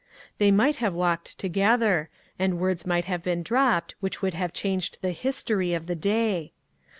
They might have walked together, and words might have been dropped which would have changed the history of the day.